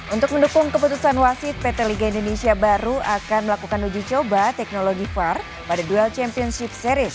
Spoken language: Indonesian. untuk mendukung keputusan wasit pt liga indonesia baru akan melakukan uji coba teknologi var pada duel championship series